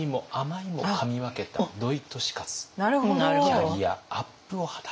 キャリアアップを果たした。